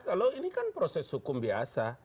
kalau ini kan proses hukum biasa